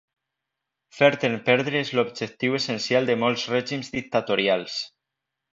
Fer-te'n perdre és l'objectiu essencial de molts règims dictatorials.